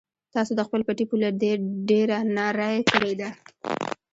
تاسو د خپل پټي پوله ډېره نرۍ کړې ده.